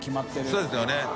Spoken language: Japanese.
そうですよね。